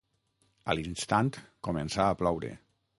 A l'instant, començà a ploure.